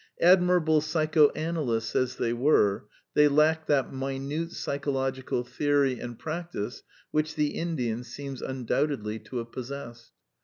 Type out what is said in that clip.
Admirable psychoanalysts as they were, they lacked that minute psychological theory and practice which the Indian seems undoubtedly to have possessed.